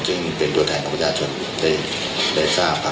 ซึ่งเป็นตัวแทนของประชาชนได้ทราบ